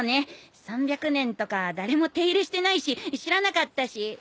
３００年とか誰も手入れしてないし知らなかったし。